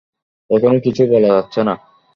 এখনও কিছু বলা যাচ্ছেনা।